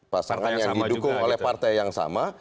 pasangan yang didukung oleh partai yang sama